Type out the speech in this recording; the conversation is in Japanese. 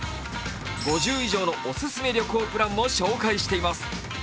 ５０以上のお勧め旅行プランも紹介しています。